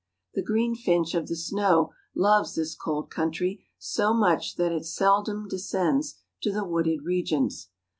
The greenfinch of the snow loves this cold country so much that it seldoms descends to the wooded reofious.